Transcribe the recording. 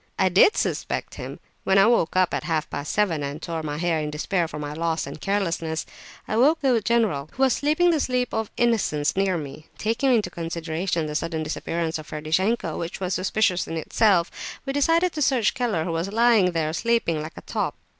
"I did suspect him. When I woke up at half past seven and tore my hair in despair for my loss and carelessness, I awoke the general, who was sleeping the sleep of innocence near me. Taking into consideration the sudden disappearance of Ferdishenko, which was suspicious in itself, we decided to search Keller, who was lying there sleeping like a top.